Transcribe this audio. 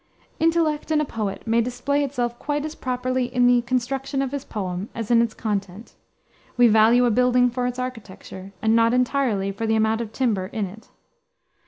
Intellect in a poet may display itself quite as properly in the construction of his poem as in its content; we value a building for its architecture, and not entirely for the amount of timber in it.